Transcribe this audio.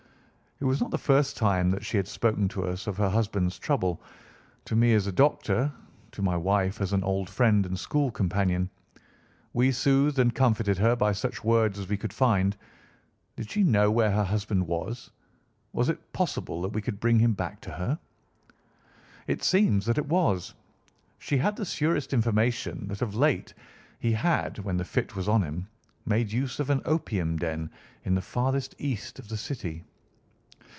It was not the first time that she had spoken to us of her husband's trouble, to me as a doctor, to my wife as an old friend and school companion. We soothed and comforted her by such words as we could find. Did she know where her husband was? Was it possible that we could bring him back to her? It seems that it was. She had the surest information that of late he had, when the fit was on him, made use of an opium den in the farthest east of the City.